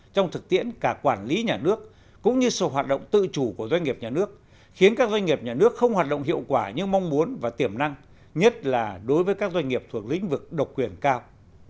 trong thực tiễn cả quản lý nhà nước cũng như sự hoạt động tự chủ của doanh nghiệp nhà nước khiến các doanh nghiệp nhà nước không hoạt động hiệu quả như mong muốn và tiềm năng nhất là đối với các doanh nghiệp thuộc lĩnh vực độc quyền cao